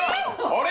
あれ？